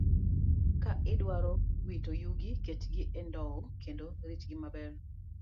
Ka idwaro wito yugi, ketgi e ndowo kendo ritgi maber.